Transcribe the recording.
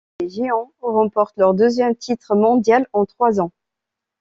Les Giants remportent leur deuxième titre mondial en trois ans.